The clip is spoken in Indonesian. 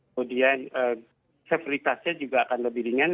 kemudian severitasnya juga akan lebih ringan